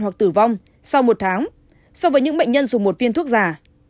hoặc tử vong sau một tháng so với những bệnh nhân dùng một viên thuốc giả